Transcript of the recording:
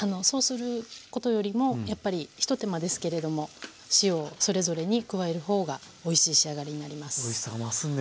そうすることよりもやっぱり一手間ですけれども塩をそれぞれに加える方がおいしい仕上がりになります。